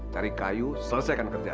cari kayu selesaikan kerja